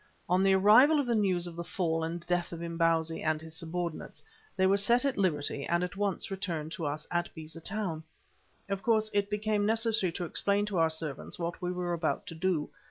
On the arrival of the news of the fall and death of Imbozwi and his subordinates, they were set at liberty, and at once returned to us at Beza Town. Of course it became necessary to explain to our servants what we were about to do.